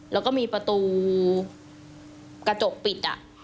แล้วก็มีประตูกระจกปิด